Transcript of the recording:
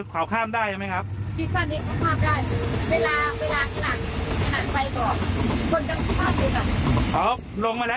อยากได้ยาวอยากได้ยาวอยากได้ยาว